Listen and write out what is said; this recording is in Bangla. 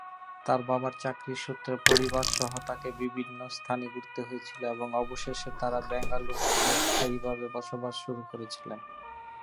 তাঁর বাবার চাকরি সূত্রে পরিবারসহ তাঁকে বিভিন্ন স্থানে ঘুরতে হয়েছিল এবং অবশেষে তাঁরা বেঙ্গালুরুতে স্থায়ীভাবে বসবাস শুরু করেছিলেন।